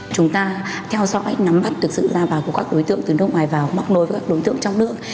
chúng ta theo dõi nắm bắt thực sự ra bào của các đối tượng từ nước ngoài vào bóc nối với các đối tượng trong nước